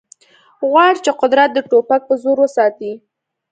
غواړي چې قدرت د ټوپک په زور وساتي